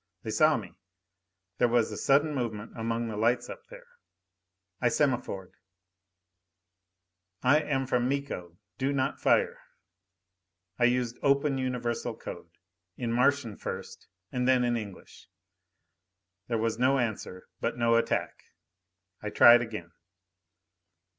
They saw me. There was a sudden movement among the lights up there. I semaphored: I am from Miko. Do not fire. I used open universal code. In Martian first, and then in English. There was no answer, but no attack. I tried again.